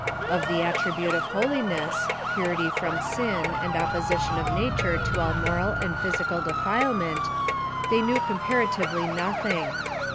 Of the attribute of holiness — purity from sin, and opposition of nature to all moral and physical defilement — they knew comparatively nothing.